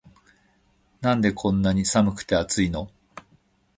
なんでこんなに寒くて熱いの